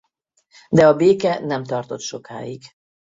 De a béke nem tartott sokáig.